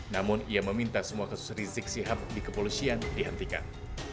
namun ia meminta semua kasus rizik sihab dikepolusian dihentikan